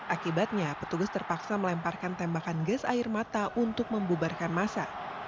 akibatnya petugas terpaksa melemparkan tembakan gas air mata untuk membubarkan masa